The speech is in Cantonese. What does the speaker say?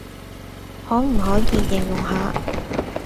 可唔可以形容下